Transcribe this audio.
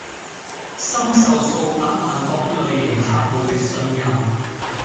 深受數百萬各類型客戶的信任